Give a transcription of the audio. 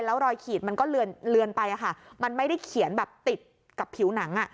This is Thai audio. แล้วรอยขีดมันก็เลือนไปมันไม่ได้เขียนแบบติดกับผิวหนังอ่ะ